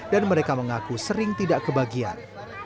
dan mereka mengaku sering tidak kebagian